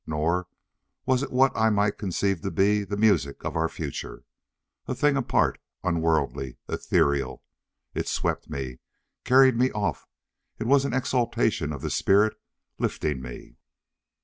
Nor was it what I might conceive to be the music of our future. A thing apart, unworldly, ethereal. It swept me, carried me off; it was an exaltation of the spirit lifting me.